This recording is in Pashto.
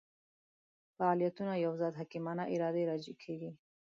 فاعلیتونه یوه ذات حکیمانه ارادې راجع کېږي.